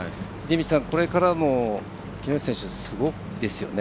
これからも、木下選手すごいですよね。